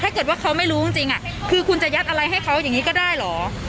ถ้าเกิดว่าเขาไม่รู้จริงคือคุณจะยัดอะไรให้เขาอย่างนี้ก็ได้เหรอ